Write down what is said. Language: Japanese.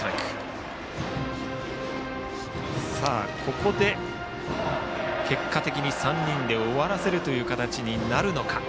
ここで結果的に３人で終わらせる形になるのか。